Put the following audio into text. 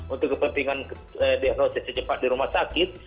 untuk kepentingan diagnosis secepat di rumah sakit